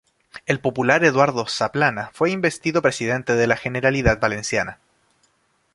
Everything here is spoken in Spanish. El popular Eduardo Zaplana fue investido Presidente de la Generalidad Valenciana.